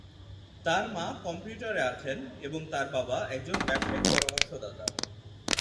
তার মা কম্পিউটারে আছেন, এবং তার বাবা একজন ব্যবসায়িক পরামর্শদাতা।